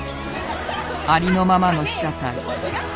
ありのままの被写体。